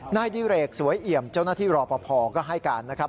นายดิเรกสวยเอี่ยมเจ้าหน้าที่รอปภก็ให้การนะครับ